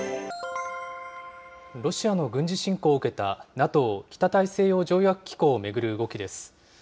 ロシアの軍事侵攻を受けたＮＡＴＯ・北大西洋条約機構を巡る動きです。